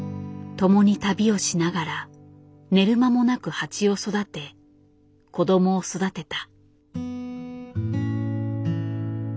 共に旅をしながら寝る間もなく蜂を育て子どもを育てた。